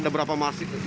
ada berapa malam